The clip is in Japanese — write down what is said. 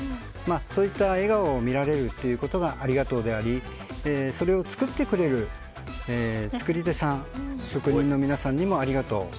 そういった笑顔を見られるということがありがとうでありそれを作ってくれる作り手さん職人の皆さんにもありがとう。